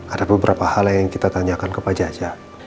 ada beberapa hal yang kita tanyakan ke pak jaja